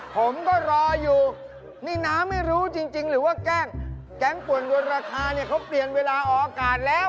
ผมก็รออยู่นี่น้าไม่รู้จริงหรือว่าแกล้งป่วนดวนราคาเนี่ยเขาเปลี่ยนเวลาออกอากาศแล้ว